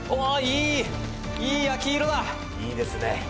「いいですね」